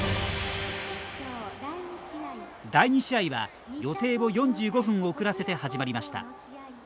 第２試合は予定を４５分遅らせて始まりました。